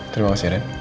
terima kasih ren